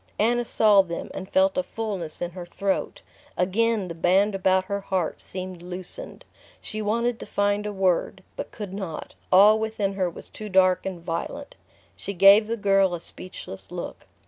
Anna saw them, and felt a fullness in her throat. Again the band about her heart seemed loosened. She wanted to find a word, but could not: all within her was too dark and violent. She gave the girl a speechless look.